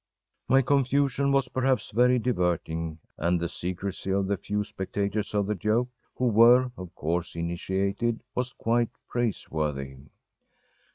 My confusion was perhaps very diverting, and the secrecy of the few spectators of the joke, who were, of course, initiated, was quite praiseworthy.